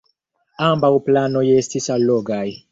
Ambaŭ planoj estis allogaj.